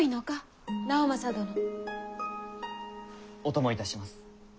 お供いたします。